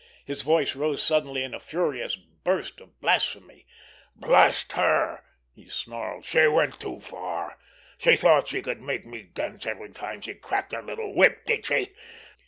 His voice rose suddenly in a furious burst of blasphemy. "Blast her!" he snarled. "She went too far! She thought she could make me dance every time she cracked her little whip, did she?